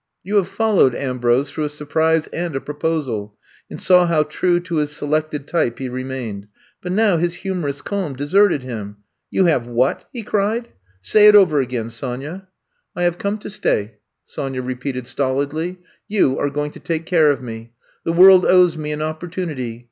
You have followed Ambrose through a surprise and a proposal, and saw how true to his selected type he remained — but now his humorous calm deserted him. ''You have what!" he cried. *'Say it over again, Sonya 1 '* I'VE COME TO STAY 49 I have come to stay," Sonya repeated stolidly. You are going to take care of me. The world owes me an opportunity.